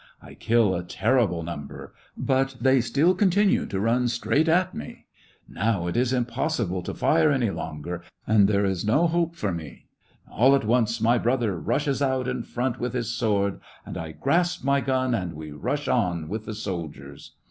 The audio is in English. I kill a terrible number ; but they still continue to run straight at me. Now, it is im possible to fire any longer, and there is no hope 154 SEVASTOPOL IJSfi AUGUST. , for me ; all at once my brother rushes out in front with his sword, and I grasp my gun, and we rush on with the soldiers.